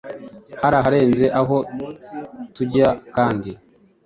Haraharenze aho tujya kandi,